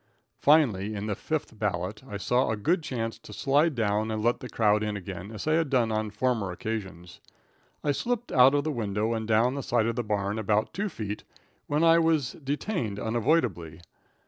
Finally, in the fifth ballot, I saw a good chance to slide down and let the crowd in again as I had done on former occasions. I slipped out of the window and down the side of the barn about two feet, when I was detained unavoidably.